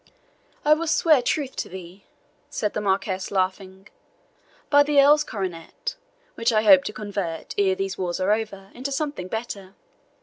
"I will swear truth to thee," said the Marquis, laughing, "by the earl's coronet, which I hope to convert, ere these wars are over, into something better.